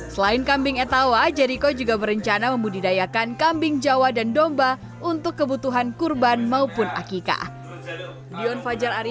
selain kambing etawa jeriko juga berencana membudidayakan kambing jawa dan domba untuk kebutuhan kurban maupun akikah